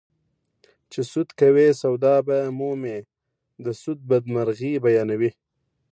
چې سود کوې سودا به مومې د سود بدمرغي بیانوي